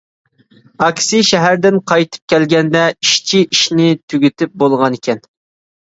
ئاكىسى شەھەردىن قايتىپ كەلگەندە ئىشچى ئىشىنى تۈگىتىپ بولغانىكەن.